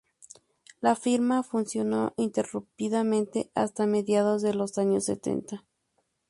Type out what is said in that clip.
La firma funcionó ininterrumpidamente hasta mediados de los años setenta.